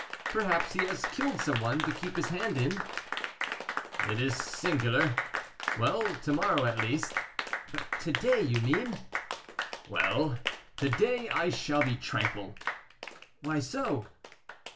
"Perhaps he has killed some one to keep his hand in." "It is singular. Well, to morrow, at least " "To day, you mean." "Well! to day I shall be tranquil." "Why so?"